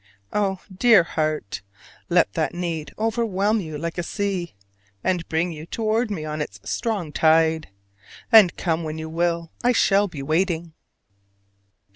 Oh, dear heart, let that need overwhelm you like a sea, and bring you toward me on its strong tide! And come when you will I shall be waiting.